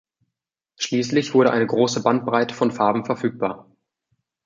Schließlich wurde eine große Bandbreite von Farben verfügbar.